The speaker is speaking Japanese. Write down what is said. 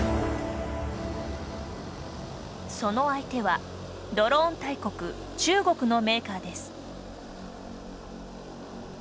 その相手は、ドローン大国中国のメーカーです。